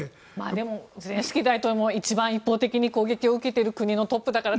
でもゼレンスキー大統領も一番一方的に攻撃を受けている国のトップだから。